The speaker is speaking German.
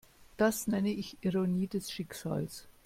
Das nenne ich Ironie des Schicksals.